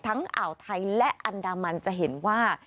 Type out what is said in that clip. อ่าวไทยและอันดามันจะเห็นว่า